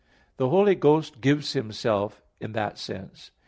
The Holy Ghost gives Himself in that sense.